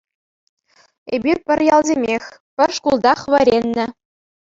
Эпир пӗр ялсемех, пӗр шкултах вӗреннӗ.